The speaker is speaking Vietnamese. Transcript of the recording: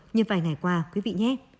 như vài ngày qua quý vị nhé